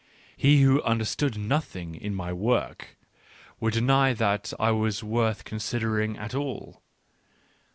He who understood nothing in my work, would deny that I was worth considering at all.